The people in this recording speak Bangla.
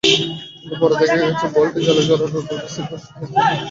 কিন্তু পরে দেখা গেছে, বলটি জালে জড়ানোর আগে সিলভার সাহায্যও প্রয়োজন হয়েছিল।